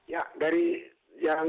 ya dari jarang